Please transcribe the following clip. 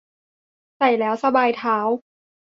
ใส่แล้วสบายเท้า